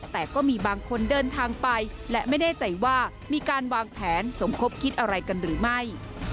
แต่ก็มีบางคนเดินทางไปและไม่แน่ใจว่ามีการวางแผนสมคบคิดอะไรกันหรือไม่